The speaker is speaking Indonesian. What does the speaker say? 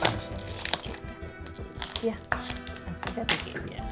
terima kasih pak